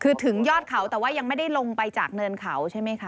คือถึงยอดเขาแต่ว่ายังไม่ได้ลงไปจากเนินเขาใช่ไหมคะ